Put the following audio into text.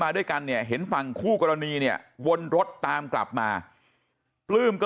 ด้วยกันเนี่ยเห็นฝั่งคู่กรณีเนี่ยวนรถตามกลับมาปลื้มก็